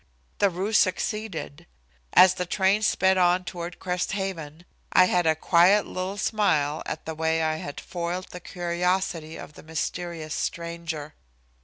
The ruse succeeded. As the train sped on toward Crest Haven I had a quiet little smile at the way I had foiled the curiosity of the mysterious stranger.